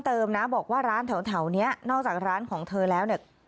เคยมีร้านที่ถูกวางเพลิงด้วยมีการทำลายข้าวขาวคอบของกันมาแล้วก็มี